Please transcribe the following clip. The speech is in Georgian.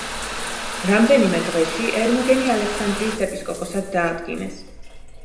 რამდენიმე დღეში ერმოგენი ალექსანდრიის ეპისკოპოსად დაადგინეს.